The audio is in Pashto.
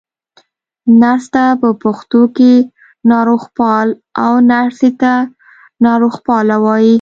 نرس ته په پښتو کې ناروغپال، او نرسې ته ناروغپاله وايي.